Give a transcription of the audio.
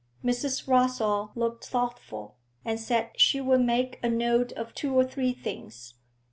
Mrs. Rossall looked thoughtful, and said she would make a note of two or three things.